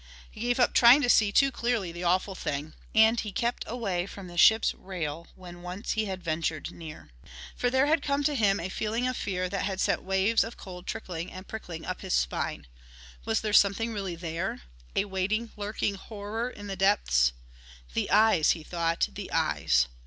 He gave up trying to see too clearly the awful thing. And he kept away from the ship's rail when once he had ventured near. For there had come to him a feeling of fear that had sent the waves of cold trickling and prickling up his spine. Was there something really there?... A waiting lurking horror in the depths? "The eyes," he thought, "the eyes!..."